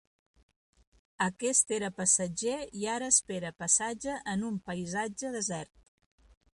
Aquest era passatger i ara espera passatge en un paisatge desert.